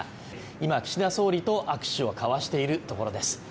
今、岸田総理と握手を交わしているところです。